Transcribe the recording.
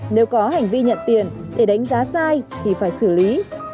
nếu có hành vi nhận tiền để đánh giá sai thì phải xử lý